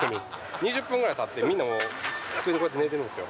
２０分ぐらいたって、机にこうやって寝てるんですよ。